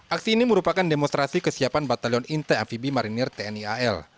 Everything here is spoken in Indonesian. aksi ini merupakan demonstrasi kesiapan batalion intai amfibi marinir tni al